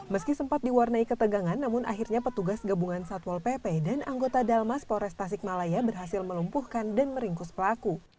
meski sempat diwarnai ketegangan namun akhirnya petugas gabungan satpol pp dan anggota dalmas polres tasikmalaya berhasil melumpuhkan dan meringkus pelaku